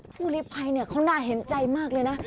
ผู้ลิภัยเขาน่าเห็นใจมากเลยนะ